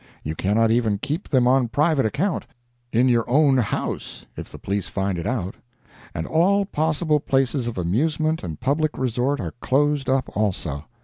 You cannot even keep them on private account, in your own house, if the police find it out. And all possible places of amusement and public resort are closed up also.